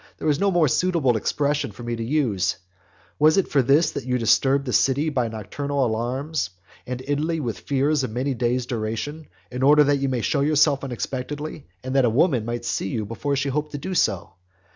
there is no more suitable expression for me to use,) was it for this that you disturbed the city by nocturnal alarms, and Italy with fears of many days' duration, in order that you might show yourself unexpectedly, and that a woman might see you before she hoped to do so?